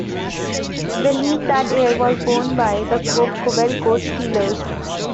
The league that year was won by the Kobe Kobelco Steelers.